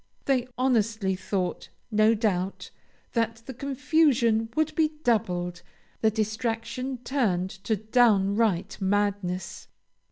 They honestly thought, no doubt, that the confusion would be doubled, the distraction turned to downright madness.